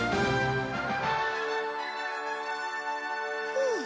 ふう。